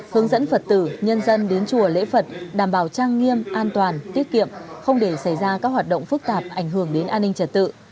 hướng dẫn phật tử nhân dân đến chùa lễ phật đảm bảo trang nghiêm an toàn tiết kiệm không để xảy ra các hoạt động phức tạp ảnh hưởng đến an ninh trật tự